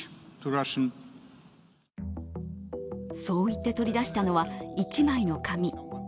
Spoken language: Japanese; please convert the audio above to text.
そう言って取り出したのは１枚の紙。